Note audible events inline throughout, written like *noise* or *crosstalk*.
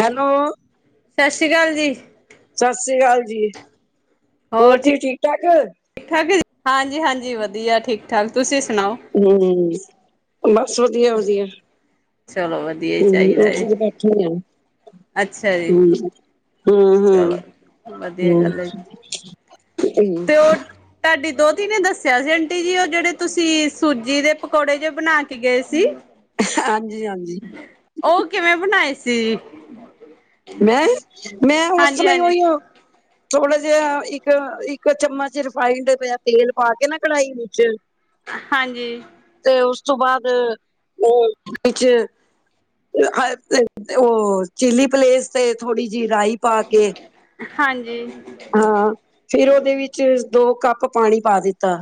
Hello. ਸ਼ ਕਾਲ ਜੀ। ਸਸਰੀ ਕਾਲ ਜੀ ਹੋਰ ਜੀ ਠੀਕ- ਠਾਕ ਠੀਕ- ਠਾਕ ਹਾਂਜੀ- ਹਾਂਜੀ ਵਧੀਆ ਠੀਕ- ਠਾਕ ਤੁਸੀਂ ਸੁਣਾਓ? ਹਮ ਬਸ ਵਧੀਆ- ਵਧੀਆ ਚਲੋ ਵਧੀਆ ਹੀ ਹੁ ਏ, ਚਾਹੀਦਾ ਸੀ, 'ਚ' ਬੈਠੇ ਹੋਏ ਆ ਅੱਛਾ ਜੀ ਹੁਅ, ਹੁਅ- ਚਲੋ ਵਧੀਆ ਹੁਅ, ਗੱਲ ਹੈ ਹੁਅ। ਤੇ ਉਹ ਤੁਹਾਡੀ ਦੋਤੀ ਨੇ ਦੱਸਿਆ ਸੀ ਆਂਟੀ ਜੀ ਉਹ ਜਿਹੜੇ ਤੁਸੀਂ ਸੂਜੀ ਦੇ ਪਕੌੜੇ ਜੇ ਬਣਾ ਕੇ ਗਏ ਸੀ। ਹਾਂਜੀ ਹਾਂਜੀ। ਉਹ ਕਿਵੇਂ ਬਣਾਏ ਸੀ ਜੀ ਮੈਂ, ਮੈਂ ਉਸ ਹਾਂਜੀ- ਤਰ੍ਹਾਂ ਹੀ ਹਾਂਜੀ। ਉਹੀ ਓ ਥੋੜਾ ਜਿ ਇੱਕ- ਇੱਕ ਚਮਚ ਰਿਫਾਈੰਡ ਪਿਆ ਤੇਲ ਪਾ ਕੇ ਨਾ ਕੜਾਹੀ ਵਿੱਚ ਹਾਂਜੀ। ਤੇ ਉਸ ਤੋਂ ਬਾਅਦ ਉ ਵਿੱਚ ਉਹ ਚਿਲੀ ਪਲੇਸ ਤੇ ਥੋੜੀ ਜਿਹੀ ਰਾਈ ਪਾ ਕੇ ਹਾਂਜੀ ਹਾਂ। ਫਿਰ ਉਹਦੇ ਵਿੱਚ ਦੋ ਕੱਪ ਪਾਣੀ ਪਾ ਦਿੱਤਾ।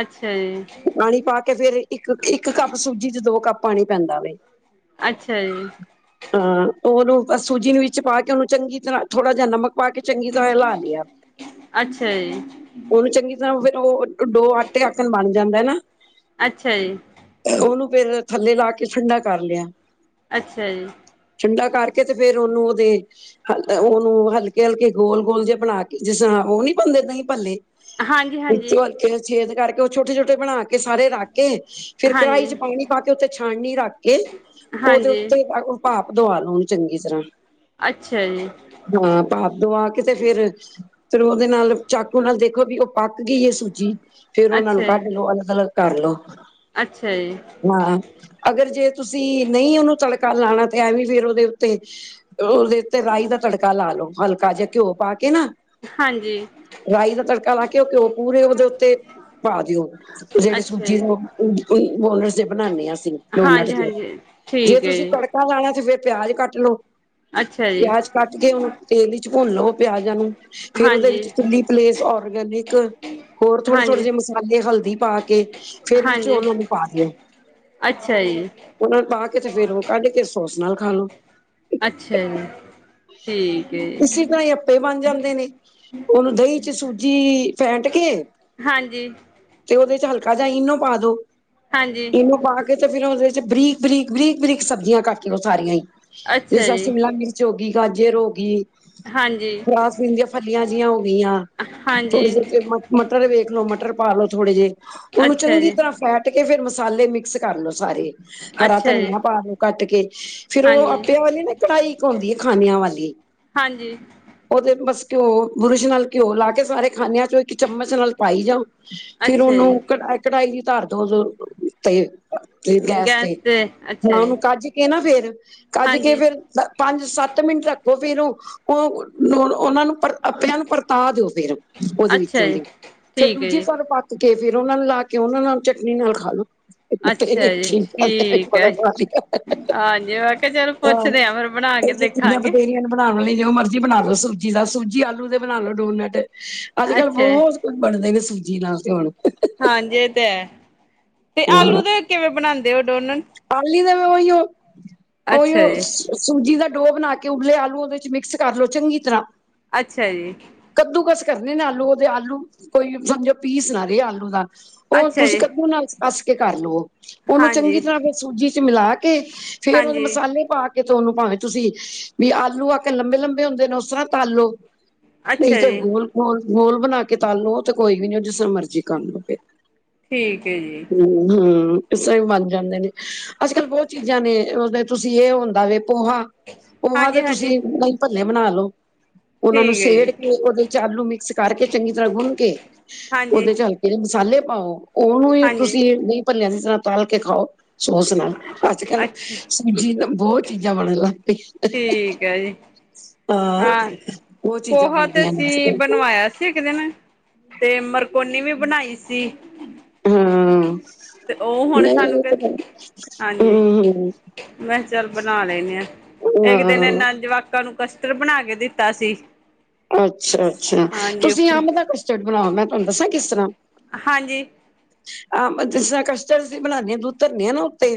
ਅੱਛਾ ਜੀ। ਪਾਣੀ ਪਾ ਕੇ ਫੇਰ ਇੱਕ- ਇੱਕ ਕੱਪ ਸੂਜੀ 'ਚ' ਦੋ ਕੱਪ ਪਾਣੀ ਪੈਂਦਾ ਵੇ ਅੱਛਾ ਜੀ। ਹਾਂ ਉਹਨੂੰ ਸੂਜੀ ਦੇ ਵਿੱਚ ਪਾ ਕੇ ਉਹਨੂੰ ਚੰਗੀ ਤਰ੍ਹਾਂ ਥੋੜਾ ਜਿਹਾ ਨਮਕ ਪਾ ਕੇ ਚੰਗੀ ਤਰ੍ਹਾਂ ਲਾ ਲਿਆ ਅੱਛਾ ਜੀ ਉਹ ਵੀ ਚੰਗੀ ਤਰ੍ਹਾਂ ਹੋਵੇ ਤਾਂ ਫਿਰ ਉਹ ਦੋ ਆਟੇ ਆਕਣ ਬਣ ਜਾਂਦੇ ਨਾ ਅੱਛਾ ਜੀ। ਉਹਨੂੰ ਫਿਰ ਥੱਲੇ ਲਾ ਕੇ ਠੰਡਾ ਕਰ ਲਿਆ। ਅੱਛਾ ਜੀ। ਠੰਡਾ ਕਰਕੇ ਤੇ ਫੇਰ ਉਹਨੂੰ ਉਹਦੇ ਹ ਉਹਨੂੰ ਹਲਕੇ- ਹਲਕੇ ਗੋਲ- ਗੋਲ ਜਿਹੇ ਬਣਾ ਕੇ ਜਿਸ ਤਰ੍ਹਾਂ ਉਹ ਨੀ ਬਣਦੇ ਦਹੀਂ, ਭੱਲੇ ਹਾਂਜੀ ਹਾਂਜੀ ਵਿੱਚੋਂ ਹਲਕੇ ਛੇਦ ਕਰਕੇ ਉਹ ਛੋਟੇ- ਛੋਟੇ ਬਣਾ ਕੇ ਕੇ ਸਾਰੇ ਰੱਖ ਕੇ ਫਿਰ ਕੜਾਹੀ 'ਚ' ਹਾਂਜੀ ਪਾਣੀ ਪਾ ਕੇ ਉੱਤੇ ਛਾਨਣੀ ਰੱਖ ਕੇ ਉਹਦੇ ਹਾਂਜੀ ਉੱਤੇ ਭਾਫ ਦਵਾ ਲਓ ਉਹਨੂੰ ਚੰਗੀ ਤਰ੍ਹਾਂ ਅੱਛਾ ਜੀ। ਹਾਂ ਭਾਫ ਦਵਾ ਕੇ ਤੇ ਫੇਰ ਫਿਰ ਉਹਦੇ ਨਾਲ ਚਾਕੂ ਨਾਲ ਦੇਖੋ ਵੀ ਉਹ ਪੱਕ ਗਈ ਏ ਸੂਜੀ? ਫੇਰ ਉਹਨਾਂ ਅੱਛਾ ਨੂੰ ਜੀ, ਕੱਢ ਲਓ ਅਲੱਗ -ਅਲੱਗ ਕਰ ਲੋ। ਅੱਛਾ ਜੀ। ਹਾਂ, ਅਗਰ ਜੇ ਤੁਸੀਂ ਨਹੀਂ ਉਹਨੂੰ ਤੜਕਾ ਲਾਣਾ ਤੇ ਐਂਵੀ ਫੇਰ ਉਹਦੇ ਉੱਤੇ ਉਹਦੇ ਉੱਤੇ ਰਾਈ ਦਾ ਤੜਕਾ ਲਾ ਲਓ ਹਲਕਾ ਜਿਆ ਘਿਓ ਪਾ ਕੇ ਨਾ ਹਾਂਜੀ। ਰਾਈ ਦਾ ਤੜਕਾ ਲਾ ਕੇ ਉਹ ਘਿਓ ਪੂਰੇ ਉਹਦੇ ਉੱਤੇ ਪਾ ਦਿਓ ਜਿਹੜੇ ਅੱਛਾ ਸੂਜੀ ਜੀ। ਦੇ ਉਹ ਡੋਨਰਸ ਜੇ ਬਣਾਨੇ ਆਂ ਅਸੀਂ। ਹਾਂਜੀ, ਡੋਨਟਸ ਨੇ ਹਾਂਜੀ ਜੇ ਠੀਕ ਹੈ ਤੁਸੀਂ ਜੀ, ਤੜਕਾ ਲਾਣਾ ਤੇ ਫਿਰ ਪਿਆਜ਼ ਕੱਟ ਲੋੋ। ਅੱਛਾ ਜੀ, ਪਿਆਜ ਕੱਟ ਕੇ ਉਹਨੂੰ ਤੇਲ ਵਿੱਚ ਭੁੰਨ ਲਓ ਪਿਆਜਾਂ ਨੂੰ ਫੇਰ ਉਹਦੇ ਹਾਂਜੀ, ਵਿੱਚ ਚ ਪਲੇਸ ਔਰਗੈਨਿਕ ਹੋਰ ਥੋੜੇ- ਥੋੜੇ ਹਾਂਜੀ। ਜਿਹੇ ਮਸਾ ਲੇ ਹਲਦੀ ਪਾ ਕੇ ਫੇਰ ਵਿੱਚ ਹਾਂਜੀ, ਉਹਨਾਂ ਨੂੰ ਪਾ ਦਿਓ। ਅੱਛਾ ਜੀ, ਉਹਨੂੰ ਪਾ ਕੇ ਤੇ ਫੇਰ ਉਹ ਕੱਢ ਕੇ ਸੋਸ ਨਾਲ ਖਾ ਲੋੋ। ਅੱਛਾ ਜੀ। *inaudible* ਠੀਕ ਏ ਅਪੇ ਬਣ ਜਾਂਦੇ ਨੇ ਉਹਨੂੰ ਦਹੀਂ ਚ ਸੂਜੀ-ਈ ਫੈਂਟ ਕੇ ਹਾਂਜੀ ਤੇ ਉਹਦੇ ਚ ਹਲਕਾ ਜਿਆ ਈਨੋ ਪਾ ਦੋ, ਹਾਂਜੀ, ਈਨੋ ਪਾ ਕੇ ਤੇ ਫਿਰ ਉਹਦੇ 'ਚ ਬਰੀਕ -ਬਰੀਕ- ਬਰੀਕ -ਬਰੀਕ ਸਬਜ਼ੀਆਂ ਕੱਟ ਲਓ ਸਾਰੀਆਂ ਈ। ਉਸ ਅੱਛਾ ਚ ਜੀ, ਸ਼ਿਮਲਾ- ਮਿਰ ਚ ਹੋ ਗਈ, ਗਾਜਰ ਹੋ ਗਈ, ਹਾਂਜੀ, ਫਰਾਸਬਿਨ ਦੀਆਂ ਫਲੀਆਂ ਜਿਈਆਂ ਹੋ ਗਈਆਂ ਹਾਂਜੀ, ਥੋੜ੍ਹੇ ਜੇ ਚ ਮ-ਮ-ਮਟਰ ਵੇਖ ਲੋ ਮਟਰ ਪਾ ਲੋ ਥੋੜ੍ਹੇ ਜਿਹੇ ਉਹਨੂੰ ਅੱਛਾ ਜੀ। ਚੰਗੀ ਤਰ੍ਹਾਂ ਫੈਟ ਕੇ ਫਿਰ ਮਸਾਲੇ ਮਿਕਸ ਕਰ ਲੋ ਸਾਰੇ। ਹਰਾ ਅੱਛਾ ਜੀ, ਧਨੀਆ ਪਾ ਲਓ ਕੱਟ ਕੇ। ਫਿਰ ਉਹ ਹਾਂਜੀ, ਆਪਿਆਂ ਵਾਲੀ ਨਾ ਇਕ ਕਡਾਈ ਹੁੰਦੀ ਹੈ ਖਾਨਿਆ ਵਾਲੀ ਹਾਂਜੀ, ਉਹਦੇ ਬੱਸ ਘਿਓ -ਬੁਰਸ਼ ਨਾਲ ਘਿਓ ਲਾ ਕੇ ਸਾਰੇ ਖਾਨਿਆਂ ਚੋਂ ਇੱਕ ਚਮਚ ਨਾਲ ਪਾਈ ਜਾਉ ਫਿਰ ਅੱਛਾ ਜੀ, ਉਹਨੂੰ ਕ-ਕਢਾਈ ਦੀ ਧਰਦੋ ਜੋ ਅਅ ਤੇ ਅ ਤੇ ਗੈਸ ਤੇ ਹ ਉਹਨੂੰ ਕੱਜ ਕੇ ਨਾ ਫਿਰ -ਕੱਜ ਕੇ ਹਾਂਜੀ, ਫਿਰ ਪ-ਪੰਜ-ਸੱਤ ਮਿੰਟ ਰੱਖੋ ਫਿਰ ਉਹ-ਉ-ਉ- ਉਹਨਾਂ ਨੂੰ ਪੱਤਿਆਂ ਨੂੰ ਪਰਤਾ ਦਿਓ ਫਿਰ। ਉਹਦੇ ਅੱਛਾ ਵਿੱਚੋਂ ਜੀ, ਦੀ, ਫੇਰ ਠੀਕ ਹੈ ਦੂਜੀ ਜੀ, ਸੈਡ ਪੱਕ ਕੇ ਫਿਰ ਉਹਨਾਂ ਨੂੰ ਲਾ ਕੇ, ਉਹਨਾਂ ਨਾਲ ਚਟਨੀ ਨਾਲ ਖਾ ਲਓ। *unintelligible* ਅੱਛਾ ਜੀ, ਠੀਕ ਹੈ। ਹਾਂਜੀ ਮੈਂ ਕਿਹਾ ਚਲ ਪੁੱਛਦੇ ਆ ਫਿਰ ਬਣਾ ਕੇ ਕੁੜੀਆਂ ਤਾਂ ਦੇਖਾਂਗੇ ਮੇਰੀਆਂ ਬਣਾਉਣ ਲਈ ਜੋ ਮਰਜ਼ੀ ਬਣਾ ਦੋ ਸਬਜੀ ਦਾ, ਸੂਜੀ ਆਲੂ ਦੇ ਬਣਾ ਲੋ ਡੋਨਟ, ਅੱਜ- ਕੱਲ੍ਹ ਅੱਛਾ ਬਹੁਤ ਬਣਦੇ ਨੇ ਸੂਜੀ ਨਾਲ ਤੇ ਹੁਣ *unintelligible* ਹਾਂਜੀ ਇਹ ਤੇ ਐ ਤੇ ਆਲੂ ਦੇ ਕਿਵੇਂ ਬਣਾਂਦੇ ਓ ਡੋਨਟ? ਆਲੂ ਦੇ ਵੀ ਉਈਓ ਉਈਓ ਅੱਛਾ ਜੀ ਸੂਜੀ ਦਾ ਡੋਹ ਬਣਾ ਕੇ ਉਬਲੇ ਆਲੂ ਉਹਦੇ 'ਚ ਮਿਕਸ ਕਰ ਲਓ ਚੰਗੀ ਤਰ੍ਹਾਂ। ਅੱਛਾ ਜੀ। ਕੱਦੂ-ਕਸ ਕਰਨੇ ਨੇ ਆਲੂ ਉਹਦੇ ਆਲੂ ਕੋਈ ਸਮਝੋ ਪੀਸ ਨਾ ਰਏ ਆਲੂ ਦਾ। ਉਹ ਅੱਛਾ ਤੁਸੀਂ ਜੀ ਕੱਦੂ ਨਾਲ ਕੱਸ ਕੇ ਕਰ ਲਓ, ਉਹਨੂੰ ਹਾਂਜੀ ਚੰਗੀ ਤਰ੍ਹਾਂ ਫਿਰ ਸੂਜੀ ਚ ਮਿਲਾ ਕੇ ਕੇ, ਫੇਰ ਉਹਦੇ ਹਾਂਜੀ ਮਸਾਲੇ ਪਾ ਕੇ ਤੇ ਉਹਨੂੰ ਭਾਵੇਂ ਤੁਸੀਂ ਵੀ ਆਲੂ ਆ ਕੇ ਲੰਬੇ, ਲੰਬੇ ਹੁੰਦੇ ਨੇ ਉਸਰਾਂ ਤਲ ਲਓ ਨਹੀਂ ਅੱਛਾ ਤੇ ਜੀ ਗੋਲ, ਗੋਲ, ਗੋਲ ਬਣਾ ਕੇ ਤਲ ਲੋ ਤੇ ਕੋਈ ਨੀ ਉਹ ਜਿਸ ਤਰ੍ਹਾਂ ਮਰਜ਼ੀ ਕਰ ਲਓ ਫੇਰ। ਠੀਕ ਐ ਜੀ। ਹਮ, ਹਮ ਇਸ ਤਰ੍ਹਾਂ ਵੀ ਬਨ ਜਾਂਦੇ ਨੇ ਅੱਜ-ਕੱਲ੍ਹ ਬਹੁਤ ਚੀਜ਼ਾਂ ਨੇ ਉਸਦੇ ਤੁਸੀਂ ਇਹ ਹੁੰਦਾ ਵੇ ਪੋਹਾ, ਪੋਹਾ ਹਾਂਜੀ ਦੇ ਹਾਂਜੀ ਤੁਸੀਂ, ਨਹੀਂ ਭੱਲੇ ਬਣਾ ਲਓ। ਉਹਨਾਂ ਨੂੰ ਠੀਕ ਹੈ ਸੇੜ ਜੀ ਕੇ ਉਹਦੇ ਚ ਆਲੂ ਮਿਕਸ ਕਰਕੇ ਚੰਗੀ ਤਰ੍ਹਾਂ ਗੁੰਨ ਕੇ, ਹਾਂਜੀ ਉਹਦੇ ਚ ਜਿਹੜੇ ਮਸਾਲੇ ਪਾਂਓ ਉਹਨੂੰ ਈ ਹਾਂਜੀ ਤੁਸੀਂ ਨਹੀਂ ਭੱਲਿਆ ਦੀ ਤਰ੍ਹਾਂ ਤਲ ਕੇ ਖਾਓ। ਸੋਚ ਲਓ, ਅੱਜ-ਕੱਲ੍ਹ ਅੱਛਾ ਸੂਜੀ ਬ-ਬਹੁਤ ਚੀਜ਼ਾਂ ਬਣਨ ਲੱਗ ਪਈ ਠੀਕ ਐ ਜੀ, ਹਾਂ, ਬਹੁਤ ਚੀਜ਼ਾਂ ਪੋਹਾ ਤੇ ਬਣਦੀਆਂ ਨੇ ਅੱਜ ਤੇ ਕੱਲ੍ਹ ਬਣਵਾਇਆ ਸੀ ਇੱਕ ਦਿਨ ਤੇ ਮਰਕੋਨੀ ਵੀ ਬਣਾਈ ਸੀ। ਹਾਂ ਤੇ ਉਹ ਹੁਣ ਨਹੀਂ ਸਾਨੂੰ ਇਹ ਕਿ, ਤਾਂ ਗੱਲ ਹਾਂਜੀ ਹਮ ਮੈਂ ਚੱਲ ਬਣਾ ਲੈਨੇ ਆ, ਹਮ ਇੱਕ ਦਿਨ ਹਾਂ ਇਹਨਾਂ ਜਵਾ ਕਾ ਨੂੰ ਕਸਟਰ ਬਣਾ ਕੇ ਦਿੱਤਾ ਸੀ। ਅੱਛਾ, ਅੱਛਾ ਹਾਂਜੀ ਤੁਸੀਂ ਉੱਪਰ ਅੰਬ ਦਾ ਕਸਟਰਡ ਬਣਾਓ ਮੈਂ ਤੁਹਾਨੂੰ ਦੱਸਾਂ ਕਿਸ ਤਰ੍ਹਾਂ ਹਾਂਜੀ। ਆਹ ਜਿਸ ਤਰ੍ਹਾਂ ਕਸਟਡ ਅਸੀਂ ਬਣਾਨੇ ਆ ਦੁੱਧ ਧਰਨੇ ਆ ਨਾ ਉੱਤੇ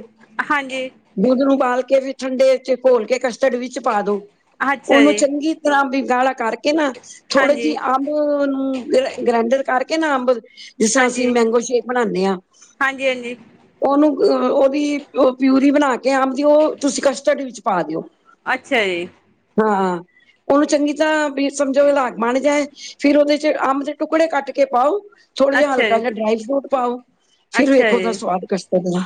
ਹਾਂਜੀ ਦੁੱਧ ਨੂੰ ੳਬਾਲ ਕੇ ਫਿਰ ਠੰਡੇ ਚ ਘੋਲ ਕੇ ਕਸ਼ ਗਡਵੀ ਇਚ ਪਾ ਦੋ, ਅੱਛਾ ਉਹਨੂੰ ਜੀ ਚੰਗੀ ਤਰ੍ਹਾਂ ਵੀ ਗਾੜਾ ਕਰਕੇ ਨਾ ਥੋੜੇ ਹਾਂਜੀ ਜੀ ਅੰ ੳਹ ਔਨੂੰ ਗ੍ਰੈ ਗ੍ਰੈਂਡਰ ਕਰਕੇ ਨਾ ਅੰਬ, ਜਿਸ ਤਰ੍ਹਾਂ ਅਸੀਂ ਹਾਂਜੀ ਮੈਂਗੋ ਸੇ ਕ‌ ਬਣਾਨੇ ਆ ਹਾਂਜੀ ਹਾਂਜੀ ਉਹਨੂੰ ਉਹਦੀ ਪਿਊਰੀ ਬਣਾ ਕੇ ਕਿ ਅੰਬ ਦੀ ਉਹ ਤੁਸੀਂ ਕਸਟਰਡ ਵਿੱਚ ਪਾ ਦਿਓ। ਅੱਛਾ ਜੀ। ਹਾਂ, ਉਹਨੂੰ ਚੰਗੀ ਤਰ੍ਹਾਂ ਵੀ ਸਮਝੋ *unintelligible* ਬਣ ਜਾਏ ਫਿਰ ਉਹਦੇ ਚ ਅੰਬ ਦੇ ਟੁਕੜੇ ਕੱਟ ਕੇ ਪਾਓ ਥੋੜ੍ਹਾ ਜਿਹਾ ਅੱਛਾ ਹਲਕਾ ਜੀ ਜਿਹਾ ਡਰਾਈ ਫਰੂਟ ਪਾਓ, ਫਿਰ ਅੱਛਾ ਵੇਖੋ ਉਹਦਾ ਜੀ ਸਵਾਦ ਕਸਟਰਡ ਦਾ।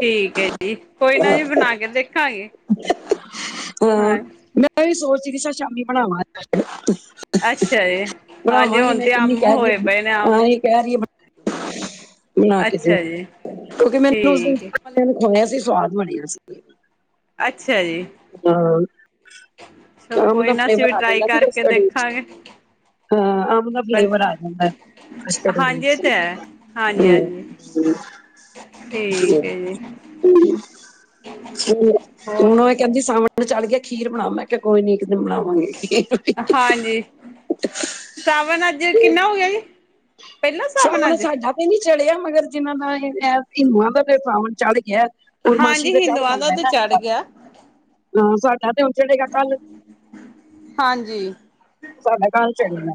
ਠੀਕ ਐ ਜੀ, ਕੋਈ ਨਾ ਜੀ ਬਣਾ ਹਾਂ ਕੇ ਦੇਖਾਂਗੇ। ਹਾਂ ਮੈਂ ਵੀ ਸੋਚ ਰਹੀ ਸੀ, ਸ਼ਾਮੀ ਬਣਾਵਾਂ ਅੱਜ ਅੱਛਾ ਜੀ ਕਸ਼ਟਡ। ਹਾਂਜੀ ਬਣਾਵਾਂਗੀ ਹੁਣ ਮੈਂ ਤੇ ਕਿੰਨੀ ਅੰਬ ਕਹਿ ਰਹੀ ਏ, ਹੋਏ ਪਏ ਨੇ ਅੰਬ ਹਾਂ ਇਹ ਕਹਿ ਰਹੀ ਏ ਬਣਾ ਕੇ ਦਿਓ ਅੱਛਾ ਜੀ ਕਿਉਂਕਿ ਮੈਨੂੰ ਉਸ ਦਿਨ ਠੀਕ ਹੈ *unintelligible* ਖੋਇਆ ਸੀ ਸਵਾਦ ਬਣਿਆ ਸੀ। ਅੱਛਾ ਜੀ। ਹਾਂ। ਚਲੋ ਅੰਮ ਦਾ ਕੋਈ ਨਾ ਅਸੀਂ ਵੀ ਫਲੈਵਰ ਆ ਟਰਾਈ ਜਾਂਦਾ ਜੀ ਕਰਕੇ ਕਸ਼ਟੜ ਇਚ, ਦੇਖਾਂਗੇ ਹਾਂ ਅੰਮ ਦਾ ਫਲੈਵਰ ਆ ਜਾਂਦੈ ਕਸਟਡ ਹਾਂਜੀ ਇਹ ਵਿਚ, ਤੇ ਹੈ ਹਾਂਜੀ ਹਾਂਜੀ ਹਮ। ਠੀਕ ਹੈ ਜੀ ਹੋਰ *unintelligible* ਕਹਿੰਦੀ ਸਾਵਣ ਤਾ ਚੜ ਗਿਆ ਖੀਰ ਬਣਾਓ, ਮੈਂ ਕਿਹਾ ਕੋਈ ਨੀ ਇੱਕ ਦਿਨ ਬਣਾਊ *inaudible* ਹਾਂਜੀ ਸਾਵਨ ਅੱਜ ਕਿੰਨਾ ਹੋ ਗਿਆ ਜੀ ਪਹਿਲਾ ਸਾਵਨ ਸਾਵਣ ਅੱਜ ਚੜ *unintelligible* ਤੇ ਨੀ ਚੜਿਆ ਮਗਰ ਜਿਹਨਾਂ ਦਾ ਹਿੰਦੂਆਂ ਦਾ ਤੇ ਸਾਵਣ ਚੜ ਗਿਐ। ਪੁਰਮਾਸ਼ੀ ਹਾਂਜੀ ਤੇ ਚੜ ਹਿੰਦੂਆਂ ਜਾਦੈ ਤੇ ਇਹਨਾ ਚੜ੍ਹ ਦਾ ਤਾ, ਗਿਆ ਹਾਂ ਸਾਡਾ ਤੇ ਹੁਣ ਚੜੇਗਾ ਕੱਲ ਹਾਂਜੀ। ਸਾਡਾ ਕੱਲ੍ਹ ਚੜੇਗਾ।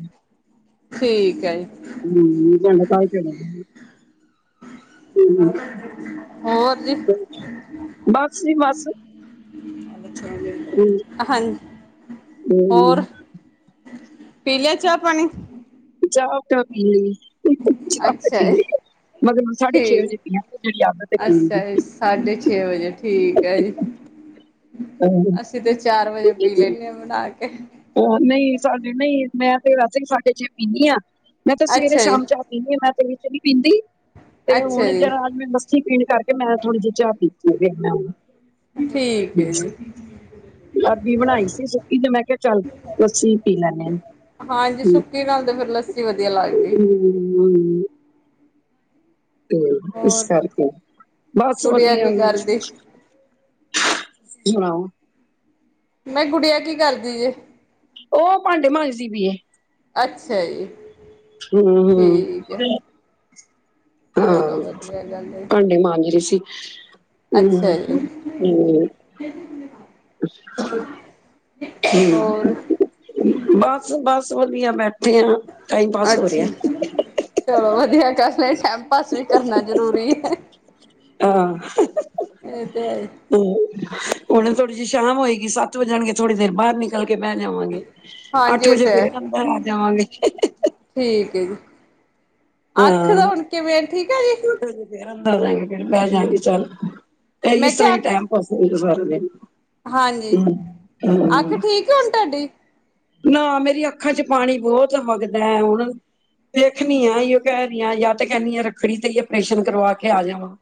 ਠੀਕ ਹੈ ਜੀ ਹੂੰ, ਤੁਵਾਡਾ ਕੱਲ੍ਹ ਚੜੇਗਾ। ਹੋਰ ਜੀ। ਬਸ ਜੀ ਬਸ। ਹਮ, ਹਾਂਜੀ, ਹੋਰ? ਪੀ ਲਿਆ ਚਾਹ ਪਾਣੀ? ਚਾਹ ਤਾਂ ਪੀ ਲ‌ਈ। ਅੱਛਾ ਏ। ਠੀਕ। ਵਜੇ ਪੀਵਾਂਗੇ ਜਿਹੜੀ ਆਦਤ ਹੈ ਪੀਣ ਦੀ ਅੱਛਾ ਜੀ ਸਾਢੇ ਛੇ ਵਜੇ, ਠੀਕ ਐ ਜੀ। ਅਹ, ਅਸੀਂ ਤੇ ਚਾਰ ਵਜੇ ਪੀ ਲੈਂਣੇ ਆ ਬਣਾ ਕੇ। ਉਹ ਨਹੀਂ, ਸਾਡੇ ਨਹੀਂ, ਮੈਂ ਤੇ ਵੈਸੇ ਈ ਸਾਢੇ ਛੇ ਪੀਂਨੀ ਆ। ਮੈਂ ਤੇ ਅੱਛਾ ਜੀ ਸਵੇਰੇ-ਸ਼ਾਮ ਚਾਹ ਪੀਂਨੀ ਆ। ਮੈਂ ਤੇ ਨਹੀ ਤੇ ਨੀ ਪੀਂਦੀ ਤੇ ਅੱਛਾ ਹੁਣ ਜੀ ਜਿਹੜਾ ਆਦਮੀ ਮਸ ਸੀ। ਤਿੰਨ-ਚਾਰ ਦਿਨ ਮੈਂ ਥੋੜ੍ਹੀ ਜਿਹੀ ਚਾਹ ਪੀਤੀ ਹੈਗੀ ਐ। ਠੀਕ ਮੈਂ ਹੈ ਜੀ ਅਰਬੀ ਬਣਾਈ ਸੀ ਸੁਕੀ ਤੇ ਮੈਂ ਕਿਹਾ ਚੱਲ ਲੱਸੀ ਪੀ ਲੈਣੇ ਹਾਂਜੀ, ਸੁੱਕੀ ਨਾਲ ਤੇ ਫਿਰ ਲੱਸੀ ਵਧੀਆ ਲੱਗਦੀ। *inaudible* ਤੇ ਇਸ ਹੋਰ ਕਰਕੇ, ਬਸ ਗੁੜੀਆ ਵਧੀਆ। ਕੀ ਕਰਦੀ? ਕੀ ਬਣਾਊ? ਨਈ ਗੁਡੀਆ ਕੀ ਕਰਦੀ ਜੇ? ਉਹ ਭਾਂਡੇ ਮਾਂਜਦੀ ਪੀ ਏ। ਅੱਛਾ ਜੀ। ਹੂੰ-ਹੂੰ। ਠੀਕ ਹੈ। ਹਾਂ, ਚਲੋ ਵਧੀਆ ਗੱਲ ਹੈ। ਭਾਂਡੇ ਮਾਂਜ ਰਹੀ ਸੀ। ਨਾ, ਅੱਛਾ ਜੀ ਨਹੀਂ ਏ। ਤੁਸੀਂ ਹੋਰ ਨਾ ਬਸ-ਬਸ ਵਧੀਆ। ਮੈਂ ਅੱਛਾ। ਚਲੋ, ਵਧੀਆ ਕਰ ਲਏ। ਟੈਂਮ ਪਾਸ ਵੀ ਕਰਨਾ ਜ਼ਰੂਰੀ ਐ। ਆਂ। ਇਹ ਤੇ ਹੈ ਈ। ਤੇ ਹੂ, ਹੁਣ ਥੋੜ੍ਹੀ ਜਿਹੀ ਸ਼ਾਮ ਹੋਏਗੀ। ਸੱਤ ਵਜਣਗੇ, ਥੋੜ੍ਹੀ ਦੇਰ ਬਾਹਰ ਨਿਕ ਨਿਕਲ ਕੇ ਬਹਿ ਜਾਵਾਂਗੇ। ਹਾਂਜੀ ਅੱਠ ਇਹ ਵਜੇ ਤੇ ਹੈ ਫੇਰ ਅੰਦਰ ਆ ਜਾਵਾਂਗੇ। ਠੀਕ ਏ ਜੀ। ਅੱਖ ਹਾਂ, ਦਾ ਹੁਣ ਕਿਵੇਂ ਠੀਕ ਹੈ ਜੀ ਰੋਟੀ-ਰੂਟੀ ਸੰਦੇਰਾ ਬਣਾਲਾ ਗੇ ਤੇ ਬਹਿਜਾ ਗੇ ਚੱਲ ਤੇ ਐਹ ਮੈਂ ਇਸ ਤਰ੍ਹਾਂ ਕਿਹਾ ਈ ਅੱਖ, ਟੈਮ ਪਾਸ ਕਰ ਲਈ ਦਾ ਸਾਰਾ ਦਿਨ। *unintelligible* ਤੇ ਹੁਣ ਤਾਡੀ ਨਾ ਮੇਰੀਆਂ ਅੱਖਾਂ 'ਚ ਪਾਣੀ ਬਹੁਤ ਵਗਦਾ ਐ। ਹੁਣ ਵੇਖਣੀ ਆ। ਯੋ ਕਹਿ ਰੀਆ ਜਾਂ ਤੇ ਕਹਿੰਨੀ ਆ ਰੱਖੜੀ ਤੇ ਜਾਂ ਪੇਸ਼ਨ ਕਰਵਾ ਕੇ ਆ ਜਾਵਾਂ।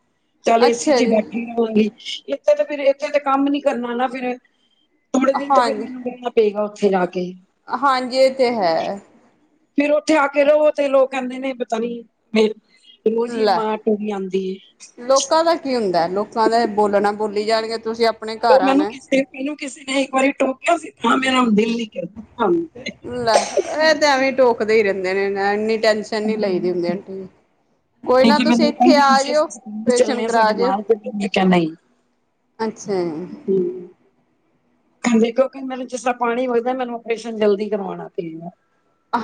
ਚੱਲ, ਏਸੀ 'ਚ ਅੱਛਾ ਈ ਜੀ ਬੈਠੀ ਰਵਾਂਗੀ। ਏਥੇ ਤੇ ਫਿਰ, ਏਥੇ ਤੇ ਕੰਮ ਨੀ ਕਰਨਾ ਨਾ। ਫਿਰ ਇਹ ਥੋੜ੍ਹੇ ਦਿਨ ਤੋਂ ਫੇਰ ਹਾਂਜੀ ਮੈਨੂੰ ਰਹਿਣਾ ਪੇਗਾ ਉੱਥੇ ਜਾ ਕੇ। ਹਾਂਜੀ, ਇਹ ਤੇ ਹੈ। ਫੇਰ ਉੱਥੇ ਆ ਕੇ ਰਵੋ ਤੇ ਲੋਕ ਕਹਿੰਦੇ ਨੇ ਪਤਾ ਨੀ ਫਿਰ, ਲੋ ਜੀ ਲੈ ਮਾਂ ਟੁਰੀ ਆਂਦੀ। ਲੋਕਾਂ ਦਾ ਕੀ ਹੁੰਦਾ। ਲੋਕਾਂ ਦਾ ਏ ਬੋਲਣਾ, ਬੋਲੀ ਜਾਣਗੇ। ਤੁਸੀਂ ਆਪ ਤੇ ਉਹ ਮੈਨੂੰ ਕਿਸੇ, ਮੈਨੂੰ ਕਿਸੇ ਨੇ ਇੱਕ ਵਾਰੀ ਟੋਕਿਆ ਸੀ ਤਾਂ ਮੈਂ ਆਂਦੀ ਨੀ। ਹੁਨ ਲੈ ਏ ਤੇ ਐਵੇਂ ਟੋਕਦੇ ਈ ਰੈਂਦੇ ਨੇ ਨਾ ਐਨੀ ਟੈਨਸ਼ਨ ਨੀ ਲਈਦੀ ਹੁੰਦੀ ਆਂਟੀ ਜੀ। ਕੋਈ ਨਹੀਂ ਨਾ ਤੇ ਤੁਸੀਂ ਮੈਨੂੰ ਏਥੇ ਕਹਿੰਦੀ ਆ ਕਿਸੇ ਜਇਓ, ਪ੍ਰੇਸ਼ਨ ਚੱਲਣੇ ਆ ਕਰਾ ਸਾਡੇ ਜਿਓ। ਨਾਲ ਤੇ ਮੈਂ ਕਿਹਾ ਅੱਛੇਆ। ਹੂੰ। ਹਾਂਜੀ ਕਿਓਂਕਿ ਮੈਨੂੰ ਜਿਸ ਤਰਾਂ ਪਾਨੀ ਵਗਦਾ ਮੈਨੂੰ ਓਪਰੇਸ਼ਨ ਜਲਦੀ ਕਰਵਾਨਾ ਪਏਗਾ।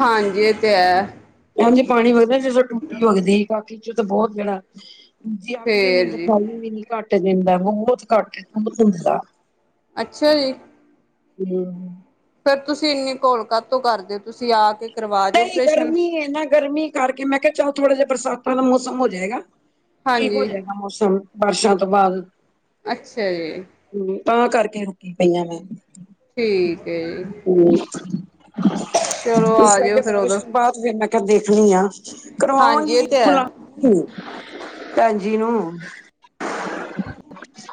ਹਾਂਜੀ ਏ ਤੇ ਹੈ। ਇੰਝ ਪਾਨੀ ਵਗਦਾ ਜਿਦਾਂ ਟੂਟੀ ਵਗਦੀ ਬਾਕੀ ਚ ਤਾਂ ਬੋਤ ਜੇੜਾ ਜੇ ਆਕੇ ਦੇ ਤੇ ਮੈਨੂੰ ਫੇਰ ਜੀ ਦਿਖਾਈ ਵੀ ਘੱਟ ਦਿੰਦਾ ਬੋਤ ਘੱਟ ਦਿੰਦਾ ਆ। ਅੱਛਾ ਜੀ। ਗੁਡ ਈਵਨਿੰਗ ਫੇਰ ਤੁਸੀਂ ਇੰਨੀ ਘੋਲ ਕਾਤੋਂ ਕਰਦੇ ਓਂ ਤੁਸੀਂ ਆ ਕੇ ਕਰਵਾ ਜਾਓ ਨਈਂ ਆਪਰੇਸ਼ਨ। ਗਰਮੀ ਏ ਨਾ ਗਰਮੀ ਕਰਕੇ ਮੈਂ ਕਿਆ ਚੱਲ ਥੋੜਾ ਜਾ ਬਰਸਾਤਾਂ ਦਾ ਮੌਸਮ ਹੋ ਜਾਏਗਾ, ਠੀਕ ਹੋ ਹਾਂਜੀ ਜਾਏਗਾ ਮੌਸਮ। ਬਾਰਸ਼ਾਂ ਤੋਂ ਬਾਦ। ਅੱਛੇਆ ਜੀ। ਹੂੰ, ਤਾਂ ਕਰਕੇ ਰੁਕੀ ਪਈ ਆਂ ਮੈਂ। ਠੀਕ ਐ ਜੀ, ਹੂੰ ਚਲੋ ਆਜੇਓ ਫਿਰ ਓਦੋਂ ਬਾਦ ਚ ਫੇਰ ਮੈਂ ਕਿਆ ਦੇਖਨੀ ਆਂ, ਹਾਂਜੀ ਇਹ ਕਰਵਾਵਾਂਗੀ ਤੇ ਹੈ। ਕਰਵਾਵਾਂ ਹੂੰ, ਭੈਨ ਜੀ ਨੂੰ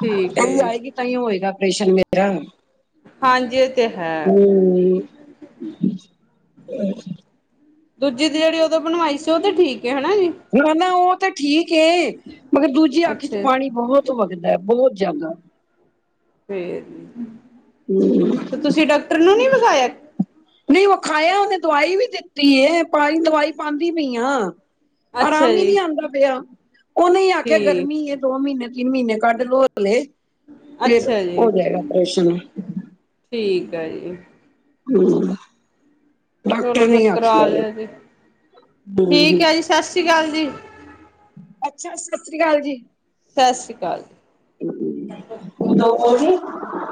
ਠੀਕ ਹੈ ਜੀ ਆਏਗੀ ਤਾਂਈ ਹੋਏਗਾ ਅਪਰੇਸ਼ਨ ਮੇਰਾ ਹਾਂਜੀ ਏ ਤੇ ਹੈ। ਦੂਜੀ ਦੀ ਜੇੜੀ ਓਦੋਂ ਬਨਵਾਈ ਸੀ ਓ ਤੇ ਠੀਕ ਐ ਹਨਾ ਜੀ। ਹੁਨ ਨਾ ਓ ਤੇ ਠੀਕ ਏ, ਮਗਰ ਦੂਜੀ ਅੱਖ ਚ ਅੱਛਾ ਪਾਨੀ ਬੋਤ ਵਗਦਾ ਬੋ ਜਾਦਾ ਫੇਰ ਵੀ ਨਈਂ ਤੁਸੀਂ ਡਾਕਟਰ ਨੂੰ ਨੀ ਵਿਖਾਇਆ। ਨਈਂ ਵਖਾਏਆ ਓਨੇ ਦਵਾਈ ਵੀ ਦਿੱਤੀ ਏ ਪਾਈ ਦਵਾਈ ਪਾਂਦੀ ਪਈ ਆਂ। ਅੱਛਾ ਆਰਾਮ ਈ ਨੀ ਜੀ ਆਂਦਾ ਪਿਆ, ਓਨੇ ਈ ਆਖੇਆ ਠੀਕ ਗਰਮੀ ਏ ਦੋ ਮੀਨੇ, ਤਿੰਨ ਮੀਨੇ ਕੱਢ ਲੋ ਹਲੇ, ਫੇਰ ਅੱਛਾ ਜੀ ਹੋ ਜਾਏਗਾ ਪਰੇਸ਼ਨ। ਠੀਕ ਐ ਜੀ। ਹਾਂਜੀ ਹਾਂ। ਚਲੋ ਫੇਰ ਕਰਾ ਏ ਲਿਓ ਜੀ, ਹਮ ਠੀਕ ਹਮ ਐ ਜੀ ਸਸ ਰੀ ਕਾਲ ਜੀ। ਅੱਛਾ, ਸਸ ਰੀ ਕਾਲ ਜੀ। ਸਾਸਰੀ ਕਾਲ ਜੀ। *inaudible*